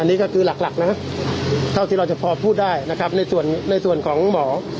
อันนี้ก็คือหลักหลักนะฮะเท่าที่เราจะพอพูดได้นะครับในส่วนในส่วนของหมอ